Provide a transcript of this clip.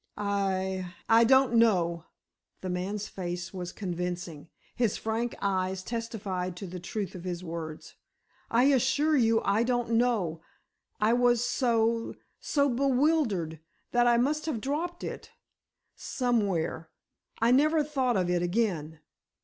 "I—I don't know." The man's face was convincing. His frank eyes testified to the truth of his words. "I assure you, I don't know. I was so—so bewildered—that I must have dropped it—somewhere. I never thought of it again."